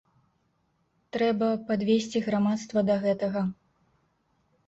Трэба падвесці грамадства да гэтага.